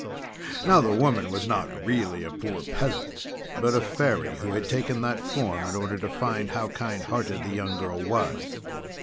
Now the woman was not really a poor peasant, but a Fairy who had taken that form in order to find how kind hearted the young girl was.